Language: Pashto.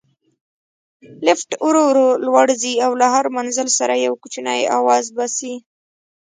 لفټ ورو ورو لوړ ځي او له هر منزل سره یو کوچنی اواز باسي.